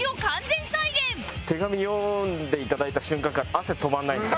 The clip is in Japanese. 手紙読んでいただいた瞬間から汗止まらないです。